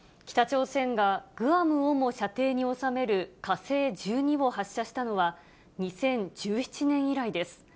北朝鮮が、グアムをも射程に収める火星１２を発射したのは、２０１７年以来です。